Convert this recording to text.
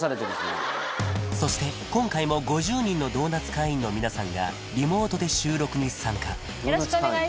今そして今回も５０人のドーナツ会員の皆さんがリモートで収録に参加ドーナツ会員？